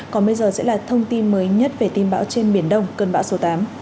còn bây giờ sẽ là thông tin mới nhất về tin bão trên biển đông cơn bão số tám